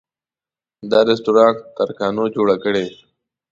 دا رسټورانټ ترکانو جوړه کړې.